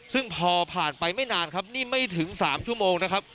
ซึ่งพอผ่านไปไม่นานครับนี่ไม่ถึง๓ชั่วโมงนะครับ